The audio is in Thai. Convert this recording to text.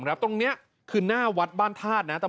ตรงเนี่ยคือหน้าวัดบ้านธาตุนะครับ